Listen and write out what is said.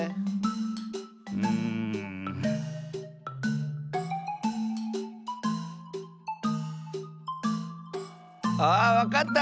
うん。あっわかった！